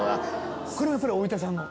これはやっぱり大分産の？